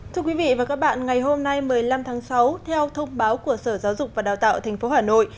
thưa quý vị và các bạn ngày hôm nay một mươi năm tháng sáu theo thông báo của sở giáo dục và đào tạo tp hà nội